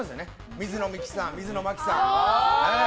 水野美紀さん、水野真紀さん。